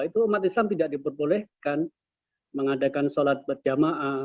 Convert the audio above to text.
itu umat islam tidak diperbolehkan mengadakan sholat berjamaah